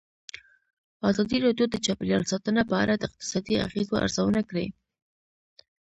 ازادي راډیو د چاپیریال ساتنه په اړه د اقتصادي اغېزو ارزونه کړې.